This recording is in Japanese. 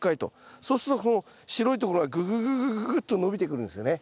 そうするとこの白いところがググググググッと伸びてくるんですよね。